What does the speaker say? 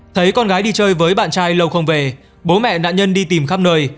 thấy con gái đi chơi với bạn trai lâu không về bố mẹ nạn nhân đi tìm khắp nơi